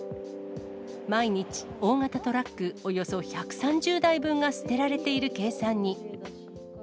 毎日、大型トラックおよそ１３０台分が捨てられている計算に。